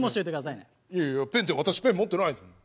いやいやペンって私ペン持ってないですもん。